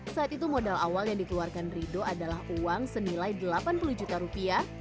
saat itu modal awal yang dikeluarkan rido adalah uang senilai delapan puluh juta rupiah